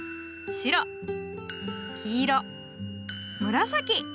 白黄色紫。